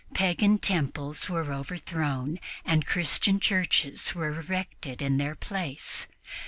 Pagan temples were overthrown and Christian churches were erected in their place.